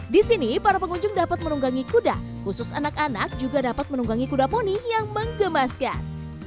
di sini para pengunjung dapat menunggangi kuda khusus anak anak juga dapat menunggangi kuda poni yang mengemaskan